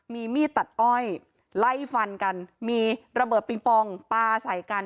มีมีดตัดอ้อยไล่ฟันกันมีระเบิดปิงปองปลาใส่กัน